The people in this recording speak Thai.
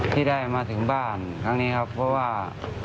ที่ได้มาถึงบ้านครั้งนี้ครับเพราะว่า